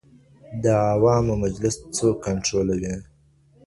د عوامو مجلس څوک کنټرولوي؟